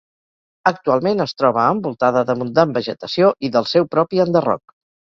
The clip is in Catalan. Actualment es troba envoltada d'abundant vegetació i del seu propi enderroc.